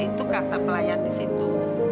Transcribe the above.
itu kata pelayan di situ